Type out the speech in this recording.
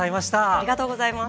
ありがとうございます。